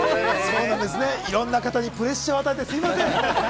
いろんな方にプレッシャーを与えてすみません。